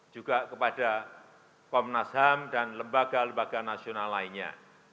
juga kepada komnas ham dan lembaga lembaga nasional lainnya